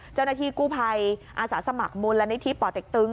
เจ้าหน้าที่กู้ภัยอาสาสมัครมูลนิธิป่อเต็กตึง